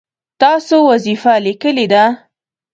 تاسو وظیفه لیکلې ده؟